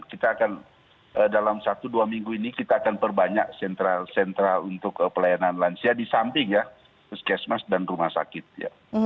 kita akan dalam satu dua minggu ini kita akan perbanyak sentra sentra untuk pelayanan lansia di samping ya puskesmas dan rumah sakit ya